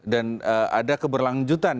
dan ada keberlanjutan